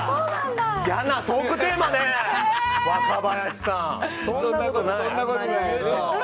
嫌なトークテーマね、若林さん！